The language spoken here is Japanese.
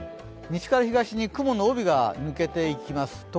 西から東に雲の帯が抜けていきます。